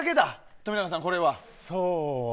冨永さん、これは。